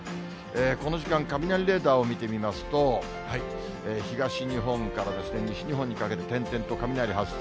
この時間、雷レーダーを見てみますと、東日本から西日本にかけて、点々と雷発生。